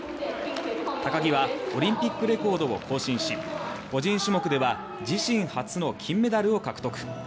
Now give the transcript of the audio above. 高木はオリンピックレコードを更新し個人種目では自身初の金メダルを獲得。